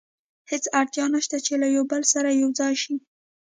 هېڅ اړتیا نه شته چې له یو بل سره یو ځای شي.